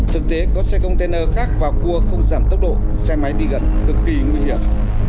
thực tế có xe container khác vào cua không giảm tốc độ xe máy đi gần cực kỳ nguy hiểm